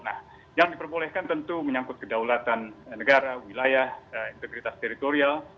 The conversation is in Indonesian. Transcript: nah yang diperbolehkan tentu menyangkut kedaulatan negara wilayah integritas teritorial